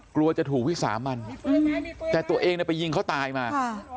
กลัวจะถูกวิสามันแต่ตัวเองเนี่ยไปยิงเขาตายมาค่ะ